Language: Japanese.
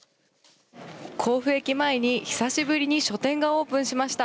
甲府駅前に久しぶりに書店がオープンしました。